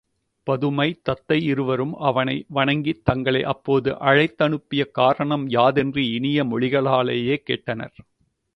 பதுமை, தத்தை இருவரும் அவனை வணங்கித் தங்களை அப்போது அழைத்தனுப்பிய காரணம் யாதென்று இனிய மொழிகளாலே கேட்டனர்.